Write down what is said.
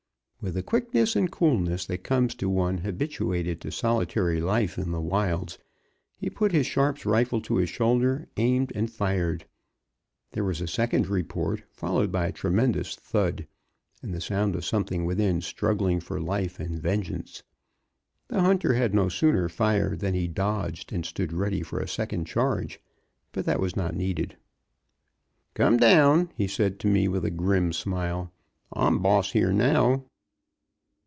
With the quickness and coolness that come to one habituated to solitary life in the wilds, he put his Sharp's rifle to his shoulder, aimed and fired. There was a second report, followed by a tremendous thud, and the sound of something within struggling for life and vengeance. The hunter had no sooner fired than he dodged, and stood ready for a second charge; but that was not needed. "Come down," he said to me with a grim smile. "I'm boss here now."